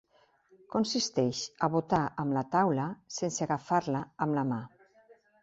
Consisteix a botar amb la taula, sense agafar-la amb la mà.